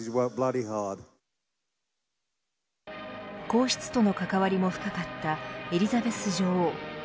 皇室との関わりも深かったエリザベス女王。